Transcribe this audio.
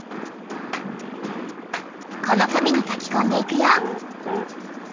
この紙に書きこんでいくよ。